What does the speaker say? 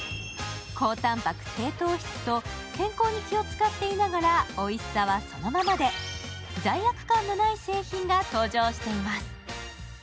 高たんぱく、低糖質と健康に気を遣っていながら、おいしさはそのままで、罪悪感のない製品が登場しています。